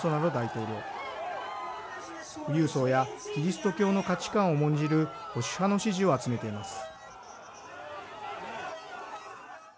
富裕層やキリスト教の価値観を重んじる保守派の支持を集めています。